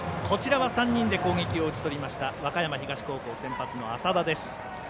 こちらは３人で攻撃を打ち取りました和歌山東高校先発の麻田です。